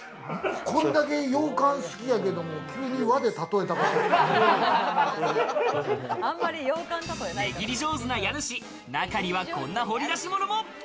これだけ洋館好きなのに急に値切り上手な家主、中にはこんな掘り出し物も。